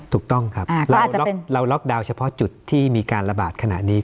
ถูกต้องครับเราล็อกดาวน์เฉพาะจุดที่มีการระบาดขณะนี้